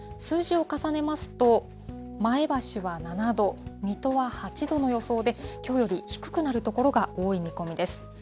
数字を重ねますと、前橋は７度、水戸は８度の予想で、きょうより低くなる所が多い見込みです。